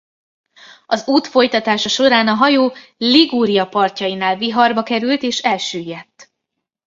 Az út folytatása során a hajó Liguria partjainál viharba került és elsüllyedt.